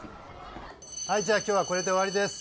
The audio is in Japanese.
・はいじゃ今日はこれで終わりです